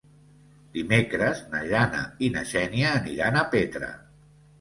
Dimecres na Jana i na Xènia aniran a Petra.